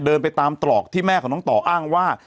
เดินไปตามตรอกที่แม่ของน้องต่ออ้างว่า